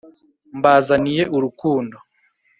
mbazaniye urukundo